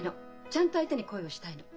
ちゃんと相手に恋をしたいの。